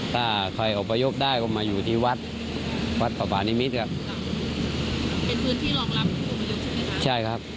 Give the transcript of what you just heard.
ถ้าใครออกประยบได้ก็มาอยู่ที่วัดวัดประปานิมิตรค่ะ